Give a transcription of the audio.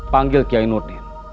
panggil kiai nurdin